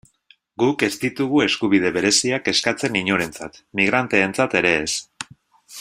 Guk ez ditugu eskubide bereziak eskatzen inorentzat, migranteentzat ere ez.